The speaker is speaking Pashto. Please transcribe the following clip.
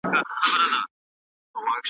که واړه دي که لویان پر تا سپرېږي .